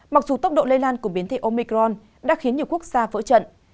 mặc dù tốc độ lây lan của biến thể omicron đã khiến nhiều quốc gia vỡ trận